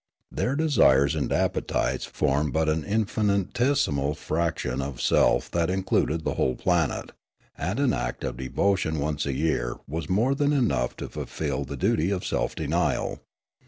Their de sires and appetites formed but an infinitesimal fraction of a self that included the whole planet, and an act of devotion once a year was more than enough to fulfil the duty of self denial.